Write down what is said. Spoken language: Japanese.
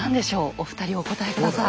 お二人お答え下さい。